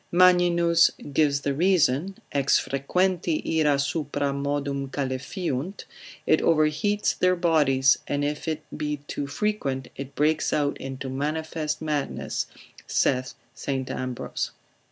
Magninus gives the reason, Ex frequenti ira supra modum calefiunt; it overheats their bodies, and if it be too frequent, it breaks out into manifest madness, saith St. Ambrose.